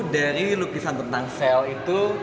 dari lukisan tentang sel itu